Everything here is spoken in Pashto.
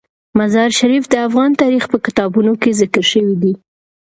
مزارشریف د افغان تاریخ په کتابونو کې ذکر شوی دي.